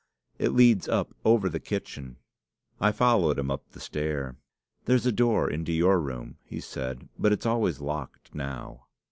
'It leads up over the kitchen.' I followed him up the stair. 'There's a door into your room,' he said, 'but it's always locked now.